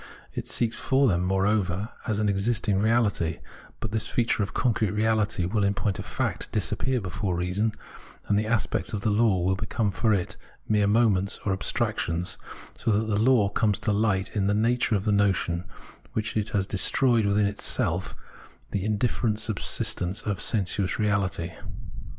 It seeks for them, moreover, as existing reality; but this feature of concrete reahty will in point of fact disappear before reason, and the aspects of the law will become for it mere moments or abstrac tions, so that the law comes to fight in the nature of the notion, which has destroyed within itself the iadifferent subsistence of sensuous reafity.